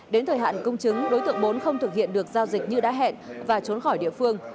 đến thời hạn công chứng đối tượng bốn không thực hiện được giao dịch như đã hẹn và trốn khỏi địa phương